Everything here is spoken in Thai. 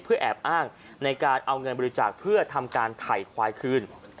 แอบอ้างในการเอาเงินบริจาคเพื่อทำการไถ่ควายคืน